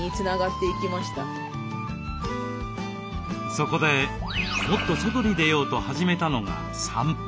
そこでもっと外に出ようと始めたのが散歩。